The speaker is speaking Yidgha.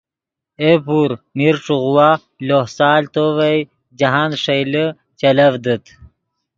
ائے پور میر ݯوغوا لوہ سال تو ڤئے جاہند ݰئیلے چلڤدیت